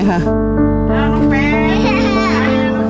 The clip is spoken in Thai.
น้องแม่